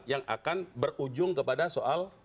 yang akan berujung kepada soal